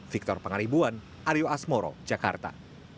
victor pangaribuan aryo asmoro jakarta